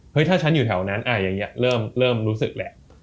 ถ้าฉันอยู่แถวนั้นอย่างนี้เริ่มรู้สึกแหละ